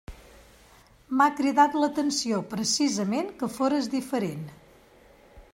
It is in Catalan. M'ha cridat l'atenció, precisament, que fores diferent.